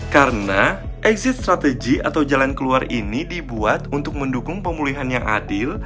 karena exit strategy atau jalan keluar ini dibuat untuk mendukung pemulihan yang adil